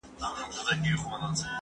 ايا ته پاکوالي ساتې،